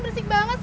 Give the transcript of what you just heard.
for canggih yo